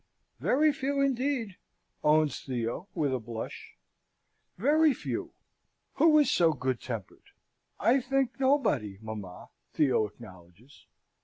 "Very few, indeed," owns Theo, with a blush. "Very few. Who is so good tempered?" "I think nobody, mamma," Theo acknowledges.